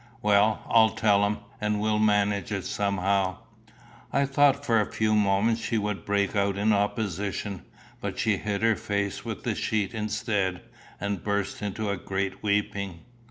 "Well, I'll tell him, and we'll manage it somehow." I thought for a few moments she would break out in opposition; but she hid her face with the sheet instead, and burst into a great weeping.